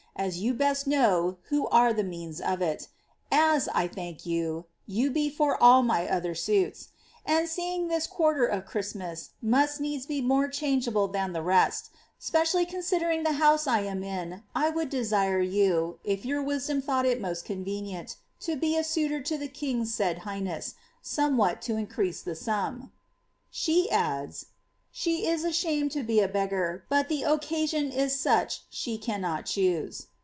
as you best know who were the ns of iu as (I thank you) you be for all my other suits; and seeing quarter of Christmas must needs be more chai^eable than the rest, lially considering the fiouse I am iii^ I would desire you (if your lom thought it most convenient), to be a suitor to the king^s said mess, somewhat to increase the sum.^' She adds, '^She is af^iiamed e a beggar, but the occasion is such she cannot choose.''